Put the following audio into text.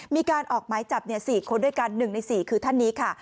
มีการออกหมายจับ๔คนด้วยกัน๑ใน๔คือท่านนี้ค่ะ